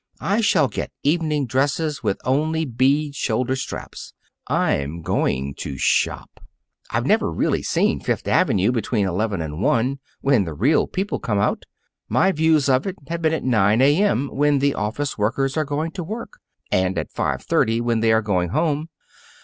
I shall get evening dresses with only bead shoulder straps. I'm going to shop. I've never really seen Fifth Avenue between eleven and one, when the real people come out. My views of it have been at nine A.M. when the office workers are going to work, and at five thirty when they are going home.